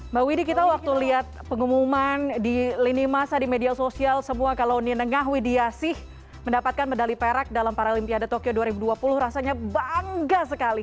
mbak widi kita waktu lihat pengumuman di lini masa di media sosial semua kalau ninengah widiasih mendapatkan medali perak dalam paralimpiade tokyo dua ribu dua puluh rasanya bangga sekali